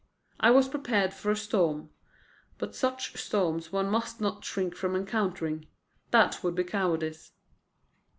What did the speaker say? I was prepared for a storm; but such storms one must not shrink from encountering. That would be cowardice."